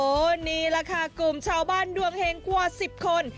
วันนี้ละค่ากลุ่มชาวบ้านดวงเหงกว่า๑๐คน